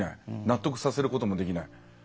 納得させることもできない。